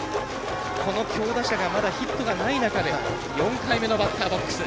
この強打者まだヒットがない中で４回目のバッターボックス。